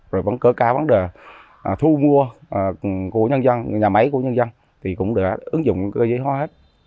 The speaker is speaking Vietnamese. rồi vẫn cỡ cao vấn đề thu mua của nhân dân nhà máy của nhân dân thì cũng đã ứng dụng cơ giới hóa hết